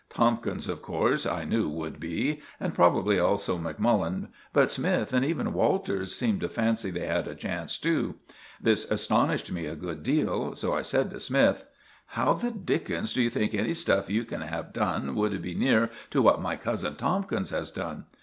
Tomkins, of course, I knew would be, and probably also Macmullen, but Smythe and even Walters seemed to fancy they had a chance too. This astonished me a good deal. So I said to Smythe— "How the dickens d'you think any stuff you can have done would be near to what my cousin Tomkins has done?"